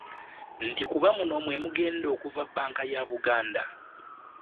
Nti kuba muno mwe mugenda okuva bbanka ya Buganda